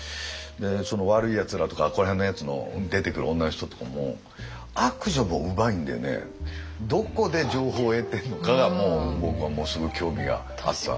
「わるいやつら」とかここら辺のやつの出てくる女の人とかも悪女もうまいんでねどこで情報を得てるのかが僕はものすごい興味があった。